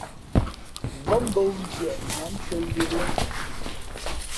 Vóp mbᾱ wū ntieʼ nǎm ntʉ̄ᾱ yə̌ lά.